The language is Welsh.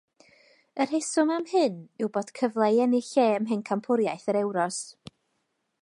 Y rheswm am hyn yw bod cyfle i ennill lle ym mhencampwriaeth yr Ewros.